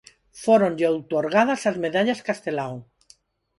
Fóronlle outorgadas as medallas Castelao.